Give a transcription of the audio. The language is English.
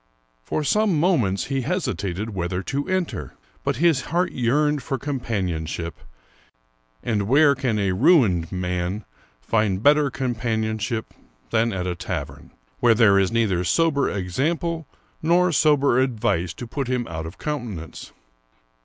For some moments he hesitated whether to enter, but his heart yearned for com panionship, and where can a ruined man find better compan ionship than at a tavern, where there is neither sober exam ple nor sober advice to put him out of countenance